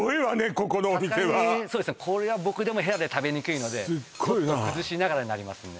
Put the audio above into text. ここのお店はそうですねこれは僕でもヘラで食べにくいのでちょっと崩しながらになりますね